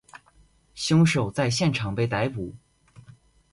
凶手在现场被逮捕。